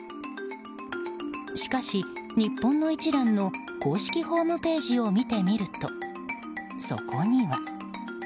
しかし、日本の一蘭の公式ホームページを見てみるとそこには。